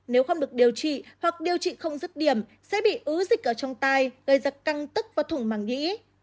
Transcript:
nếu không được điều trị hoặc điều trị không rứt điểm sẽ bị ứ dịch ở trong tay gây ra căng tức và thủng mảng nghĩ